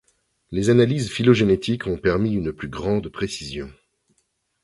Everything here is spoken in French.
Les analyses phylogénétiques ont permis une plus grande précision.